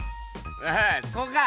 ああそうか？